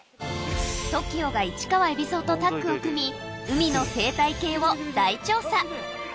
ＴＯＫＩＯが市川海老蔵とタッグを組み、海の生態系を大調査。